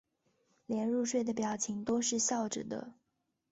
连入睡的表情都是笑着的